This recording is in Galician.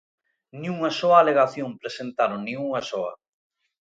¡Nin unha soa alegación presentaron nin unha soa!